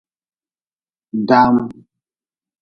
Dam.